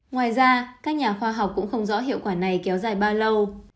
ngoài ra các nhà khoa học cũng không rõ hiệu quả này kéo dài bao lâu